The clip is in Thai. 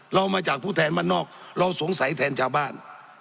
เรามาจากผู้แทนบ้านนอกเราสงสัยแทนชาวบ้าน